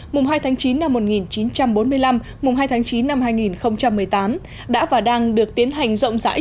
mùng hai tháng chín năm một nghìn chín trăm bốn mươi năm mùng hai tháng chín năm hai nghìn một mươi tám đã và đang được tiến hành rộng rãi